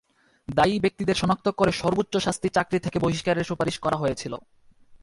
দায়ী ব্যক্তিদের শনাক্ত করে সর্বোচ্চ শাস্তি চাকরি থেকে বহিষ্কারের সুপারিশ করা হয়েছিল।